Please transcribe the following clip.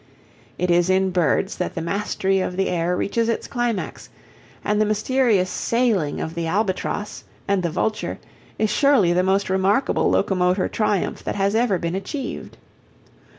It is in birds that the mastery of the air reaches its climax, and the mysterious "sailing" of the albatross and the vulture is surely the most remarkable locomotor triumph that has ever been achieved.